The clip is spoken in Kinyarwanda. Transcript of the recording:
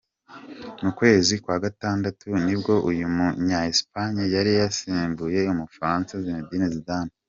Mu kwezi kwa gatandatu ni bwo uyu Munya-Espanye yari yasimbuye Umufaransa Zinedine Zidane.